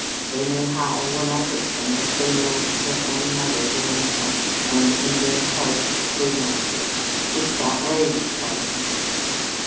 They may howl when I hurt them, but they know it's their own mother doing the cuffing, and in their hearts they don't care. It's that way with cubs, ye see.